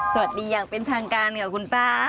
สวัสดียังเป็นทางการกับคุณป้า